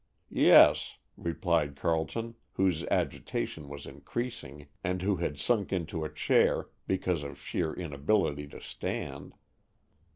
"Yes," replied Carleton, whose agitation was increasing, and who had sunk into a chair because of sheer inability to stand.